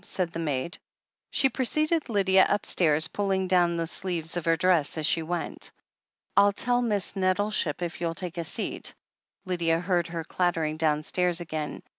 said the maid. She preceded Lydia upstairs, pulling down the sleeves of her dress as she went. "I'll tell Miss Nettleship, if you'll take a seat." Lydia heard her clattering downstairs again.